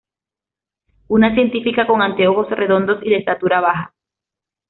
Una científica con anteojos redondos y de estatura baja.